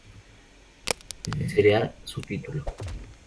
Ese será su título.